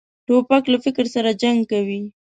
توپک له فکر سره جنګ کوي.